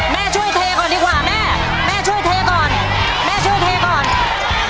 แม่ช่วยเทก่อนดีกว่าแม่แม่ช่วยเทก่อนแม่ช่วยเทก่อน